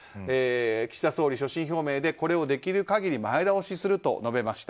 岸田総理、所信表明でこれをできる限り前倒しすると述べました。